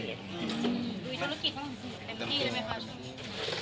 ด้วยธุรกิจเป็นที่เลยไหมคะ